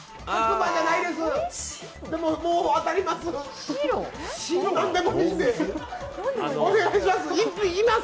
でも、もう当たります。